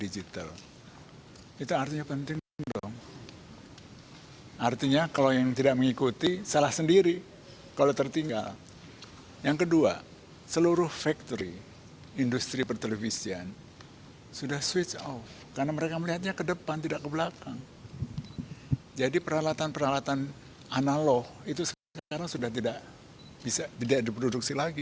jadi peralatan peralatan analog itu sekarang sudah tidak diproduksi lagi